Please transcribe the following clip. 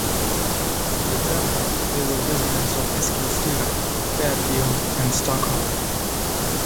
For example, they were residents of Eskilstuna, Fairfield and Stockholm.